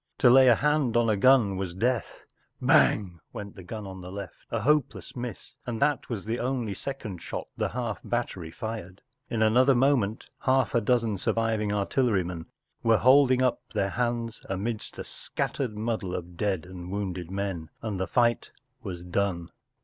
To lay a hand on a gun was death* “ Hang ! ” went the gun on the left, a hopeless miss, and that was the only second shot the half battery fired* In another moment half a dozen sur¬ viving artillerymen were holding up their hands amidst a Scattered muddle of dead and wounded men, and the fight was done.